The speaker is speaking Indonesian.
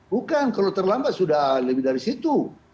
bukan kalau terlambat sudah lebih dari situ